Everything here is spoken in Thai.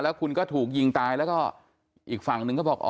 แล้วคุณก็ถูกยิงตายแล้วก็อีกฝั่งหนึ่งก็บอก